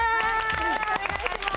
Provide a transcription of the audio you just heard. よろしくお願いします